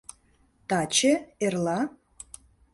Таче, эрла?